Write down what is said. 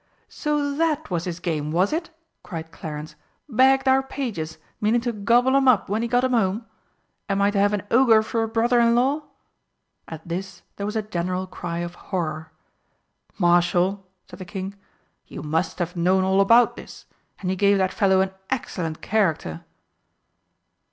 "So that was his game, was it?" cried Clarence. "Bagged our pages, meaning to gobble 'em up when he got 'em home! Am I to have an Ogre for a brother in law?" At this there was a general cry of horror. "Marshal," said the King, "you must have known all about this and you gave that fellow an excellent character!"